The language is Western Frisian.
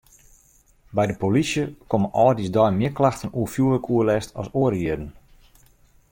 By de polysje komme âldjiersdei mear klachten oer fjoerwurkoerlêst as oare jierren.